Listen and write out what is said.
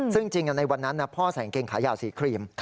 ซึ่งจริงในวันนั้นพ่อใส่กางเกงขายาวสีครีม